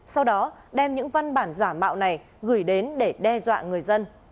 sau đó đem những văn bản giả mạo này gửi đến để đe dọa người dân